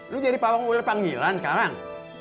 lu jadi pawang ular panggilan sekarang